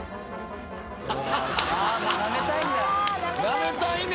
「なめたいんだ」